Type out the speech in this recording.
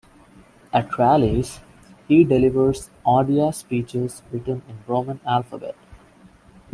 At rallies, he delivers Odia speeches written in Roman alphabet.